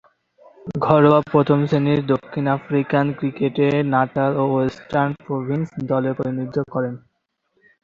ঘরোয়া প্রথম-শ্রেণীর দক্ষিণ আফ্রিকান ক্রিকেটে নাটাল ও ওয়েস্টার্ন প্রভিন্স দলের প্রতিনিধিত্ব করেন।